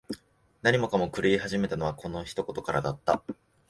何もかもが狂い始めたのは、この一言からだった。